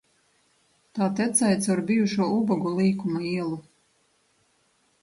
Tā tecēja caur bijušo Ubagu līkuma ielu.